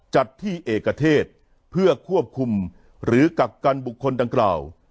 จัดที่เอกเทศเพื่อควบคุมหรือกักกันบุคคลดังกล่าว